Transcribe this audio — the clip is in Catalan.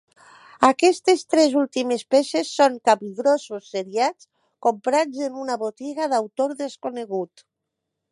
Aquestes tres últimes peces són capgrossos seriats comprats en una botiga, d’autor desconegut.